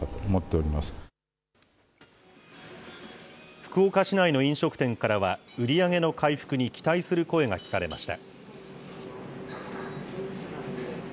福岡市内の飲食店からは、売り上げの回復に期待する声が聞かれました。